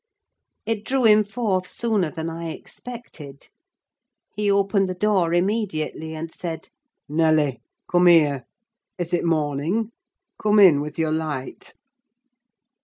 It drew him forth sooner than I expected. He opened the door immediately, and said—"Nelly, come here—is it morning? Come in with your light."